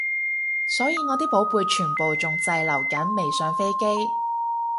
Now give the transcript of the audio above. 所以我啲寶貝全部仲滯留緊未上飛機